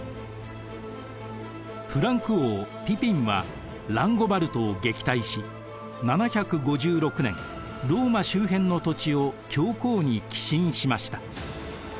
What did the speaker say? フランク王ピピンはランゴバルドを撃退し７５６年ローマ周辺の土地を教皇に寄進しました。